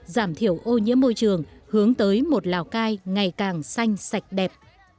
giảm thiểu ô nhiễm môi trường hướng tới một lào cai ngày càng xanh sạch đẹp